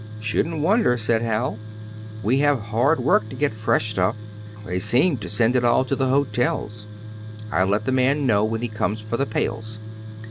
"Shouldn't wonder," said Hal. "We have hard work to get fresh stuff; they seem to send it all to the hotels. I'll let the man know when he comes for the pails."